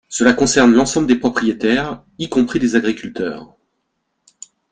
Cela concerne l’ensemble des propriétaires, y compris les agriculteurs.